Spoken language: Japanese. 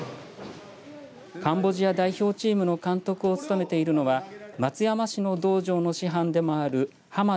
カンボジア代表チームの監督を務めているのは松山市の道場の師範でもある濱田